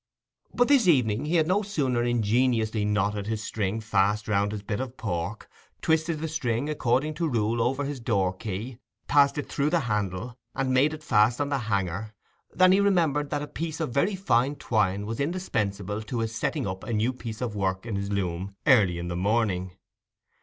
But this evening, he had no sooner ingeniously knotted his string fast round his bit of pork, twisted the string according to rule over his door key, passed it through the handle, and made it fast on the hanger, than he remembered that a piece of very fine twine was indispensable to his "setting up" a new piece of work in his loom early in the morning.